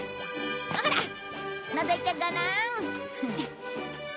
ほらのぞいてごらん。